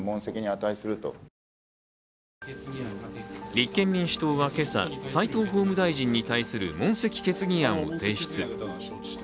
立憲民主党は今朝、齋藤法務大臣に対する問責決議案を提出。